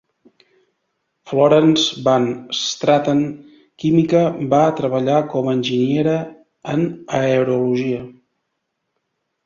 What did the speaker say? Florence van Straten, química, va treballar com a enginyera en aerologia.